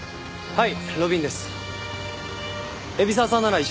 はい！